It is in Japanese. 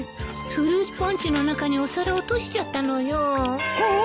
フルーツポンチの中にお皿落としちゃったのよ。はああ。